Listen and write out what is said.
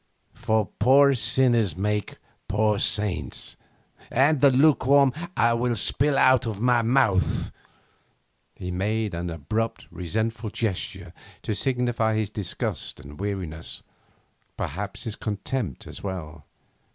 For poor sinners make poor saints, and the lukewarm I will spue out of my mouth.' He made an abrupt, resentful gesture to signify his disgust and weariness, perhaps his contempt as well.